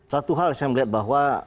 satu hal saya melihat bahwa